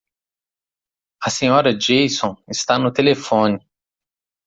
A Sra. Jason está no telefone.